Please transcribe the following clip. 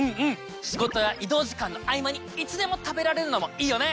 仕事や移動時間の合間にいつでも食べられるのもいいよね！